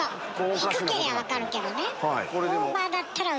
低けりゃ分かるけどね。